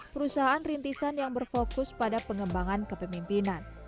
perusahaan rintisan yang berfokus pada pengembangan kepemimpinan